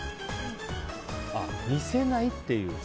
ああ、見せないっていう。